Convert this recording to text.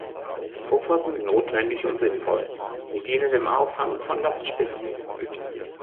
Puffer sind notwendig und sinnvoll, sie dienen dem Auffangen von Lastspitzen.